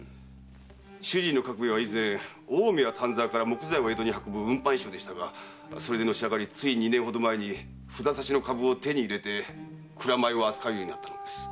主人の角兵衛は以前青梅・丹沢から木材を江戸に運ぶ運搬商でしたがそれでのし上がりつい二年ほど前に札差の株を手に入れて蔵米を扱うようになったのです。